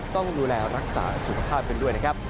ต้องดูแลรักษาสุขภาพกันด้วยนะครับ